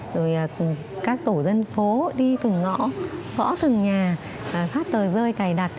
rồi các tổ dân phố đi từng ngõ gõ từng nhà phát tờ rơi cài đặt